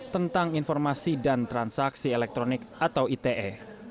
tentang informasi dan transaksi elektronik atau ite